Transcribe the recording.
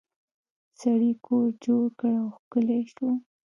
سړي کور جوړ کړ او ښکلی شو.